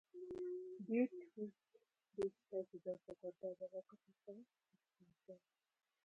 Due to which this place is also called by the local people upside down.